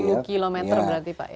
baru dua puluh kilometer berarti pak ya